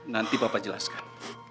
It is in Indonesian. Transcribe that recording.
nanti bapak jelaskan